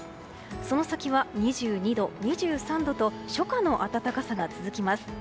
その先は２２度、２３度と初夏の温かさが続きます。